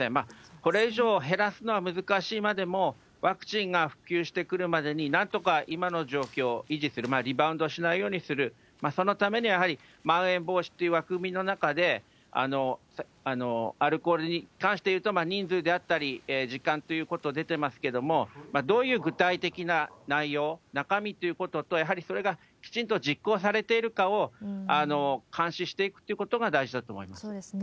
これ以上減らすのは難しいまでも、ワクチンが普及してくるまでに、なんとか今の状況を維持する、リバウンドしないようにする、そのためにはやはりまん延防止という枠組みの中で、アルコールに関して言うと、人数であったり、時間ということ出てますけれども、どういう具体的な内容、中身ということと、やはりそれがきちんと実行されているかを監視していくということそうですね。